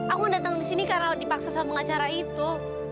aku datang disini karena dipaksa sama pengacara itu